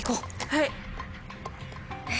はい！